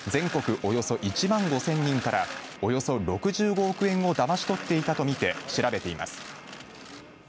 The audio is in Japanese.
およそ１万５０００人からおよそ６５億円をだまし取っていたとみて調べています。